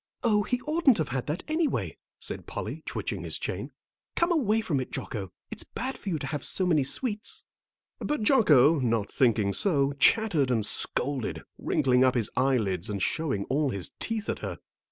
"Oh, he oughtn't to have that anyway," said Polly, twitching his chain. "Come away from it, Jocko, it's bad for you to have so many sweets." But Jocko, not thinking so, chattered and scolded, wrinkling up his eyelids and showing all his teeth at her.